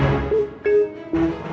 ya pak juna